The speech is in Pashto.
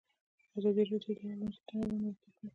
ازادي راډیو د حیوان ساتنه اړوند مرکې کړي.